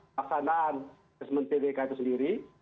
laksanaan resmen pbk itu sendiri